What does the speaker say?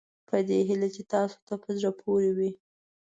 په دې هیله چې تاسوته په زړه پورې وي.